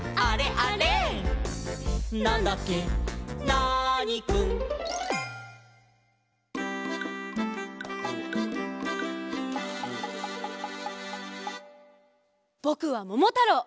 ナーニくん」ぼくはももたろう！